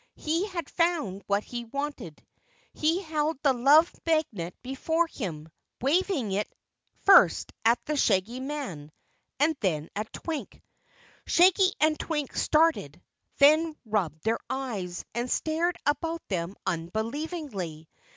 He had found what he wanted. He held the Love Magnet before him, waving it first at the Shaggy Man and then at Twink. Shaggy and Twink started, then rubbed their eyes and stared about them unbelievingly.